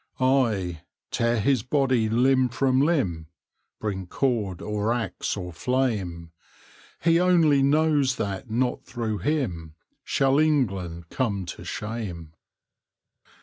Ay! tear his body limb from limb; Bring cord, or axe, or flame! He only knows that not through him Shall England come to shame.